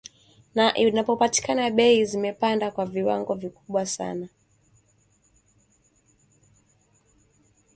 Na inapopatikana bei zimepanda kwa viwango vikubwa sana